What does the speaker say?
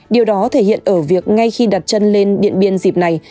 điều đó thể hiện ở việc ngay khi đặt chân lên điện biên dịp này